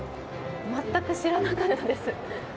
全く知らなかったです。